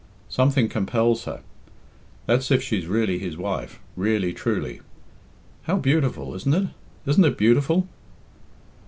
Something compels her. That's if she's really his wife really, truly. How beautiful, isn't it? Isn't it beautiful?"